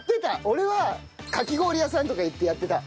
俺はかき氷屋さんとか言ってやってた。